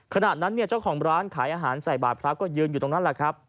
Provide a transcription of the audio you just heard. ขณะนั้นเนี่ยเจ้าของร้านขายอาหารใส่บาทพระก็ยืนอยู่ตรงนั้นแหละครับ